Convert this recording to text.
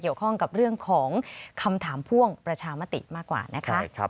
เกี่ยวข้องกับเรื่องของคำถามพ่วงประชามติมากกว่านะคะ